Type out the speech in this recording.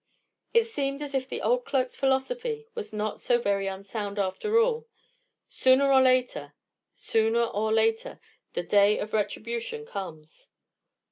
It seemed as if the old clerk's philosophy was not so very unsound, after all. Sooner or later,—sooner or later,—the day of retribution comes.